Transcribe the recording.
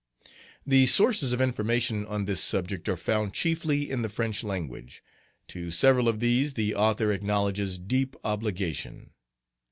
"The sources of information on this subject are found chiefly in the French language. To several of these the author acknowledges deep obligation.